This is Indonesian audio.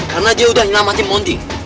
karena dia udah nyelamatin mondi